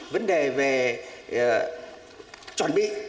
vấn đề về chuẩn bị